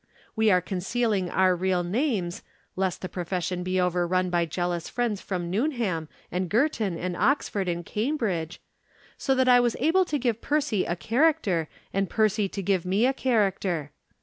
We are concealing our real names (lest the profession be overrun by jealous friends from Newnham and Girton and Oxford and Cambridge) so that I was able to give Percy a character and Percy to give me a character.